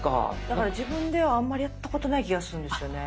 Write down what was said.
だから自分ではあんまりやったことない気がするんですよね。